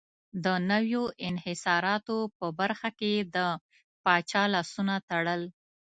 د نویو انحصاراتو په برخه کې یې د پاچا لاسونه تړل.